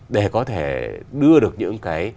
để có thể đưa được những cái